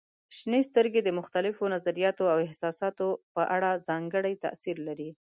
شنې سترګې د مختلفو نظریاتو او احساساتو په اړه ځانګړی تاثير لري.